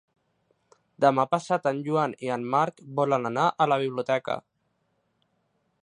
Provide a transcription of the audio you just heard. Demà passat en Joan i en Marc volen anar a la biblioteca.